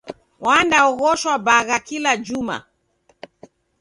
Wandaoghoshwa bagha kila juma.